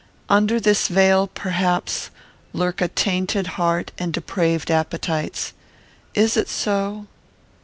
Under this veil, perhaps, lurk a tainted heart and depraved appetites. Is it so?"